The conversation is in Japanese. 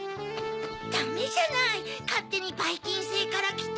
ダメじゃないかってにばいきんせいからきて。